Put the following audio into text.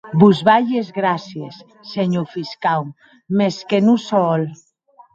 Vos balhi es gràcies, senhor fiscau, mès que non sò hòl.